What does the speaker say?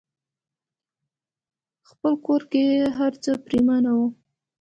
خپل کور کې هرڅه پريمانه وي.